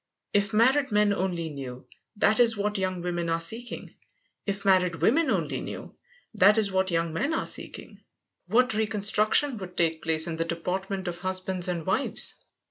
If married men only knew that is what young women are seeking, if married women only knew that is what young men are seeking, what reconstruction would take place in the deportment of husbands and wives!